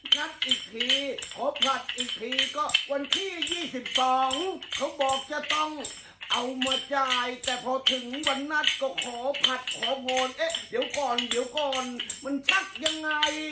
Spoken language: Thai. นัดอีกทีขอผัดอีกทีก็วันที่๒๒เขาบอกจะต้องเอามาจ่ายแต่พอถึงวันนัดก็ขอผัดขอพรเอ๊ะเดี๋ยวก่อนเดี๋ยวก่อนมันชัดยังไง